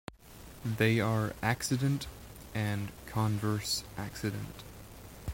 They are "accident" and "converse accident".